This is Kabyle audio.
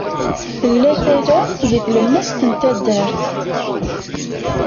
Tella tala deg tlemmast n taddart.